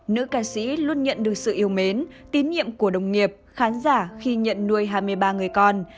nữ ca sĩ luôn nhận được sự yêu mến tín nhiệm của đồng nghiệp khán giả khi nhận nuôi hai mươi ba người con